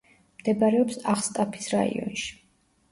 მდებარეობს აღსტაფის რაიონში.